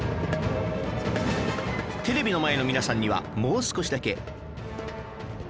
テレビの前の皆さんにはもう少しだけ